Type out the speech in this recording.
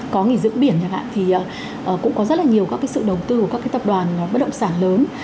có nghỉ dưỡng biển nhà bạn thì cũng có rất là nhiều các cái sự đầu tư của các cái tập đoàn bất động sản lớn